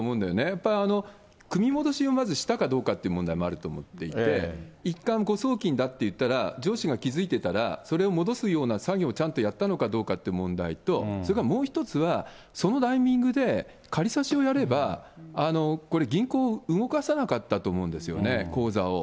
やっぱり、組み戻しをまず、したかどうかっていう問題もあると思っていて、いったん誤送金だっていったら、上司が気付いてたら、それを戻すような作業をちゃんとやったのかどうかという問題と、それからもう一つは、そのタイミングで仮差しをやれば、これ銀行、動かさなかったと思うんですよね、口座を。